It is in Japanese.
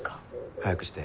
早くして。